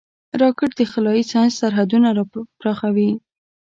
راکټ د خلایي ساینس سرحدونه پراخوي